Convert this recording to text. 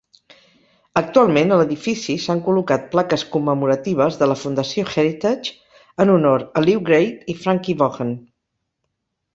Actualment, a l'edifici s'han col·locat plaques commemoratives de la Fundació Heritage en honor a Lew Grade i Frankie Vaughan.